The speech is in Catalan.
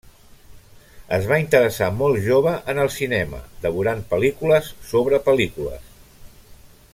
Es va interessar molt jove en el cinema, devorant pel·lícules sobre pel·lícules.